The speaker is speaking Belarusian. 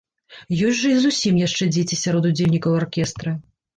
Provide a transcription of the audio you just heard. Ёсць жа і зусім яшчэ дзеці сярод удзельнікаў аркестра!